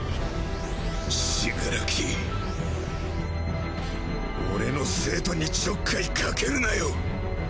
死柄木俺の生徒にちょっかいかけるなよ！